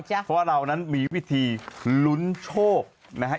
เพราะว่าเรานั้นมีวิธีลุ้นโชคนะฮะ